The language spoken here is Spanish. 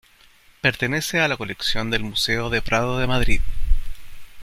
Pertenece a la colección del Museo del Prado de Madrid.